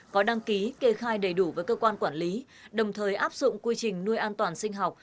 có đăng ký kê khai đầy đủ với cơ quan quản lý đồng thời áp dụng quy trình nuôi an toàn sinh học